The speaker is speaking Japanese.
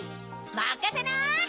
まかせな！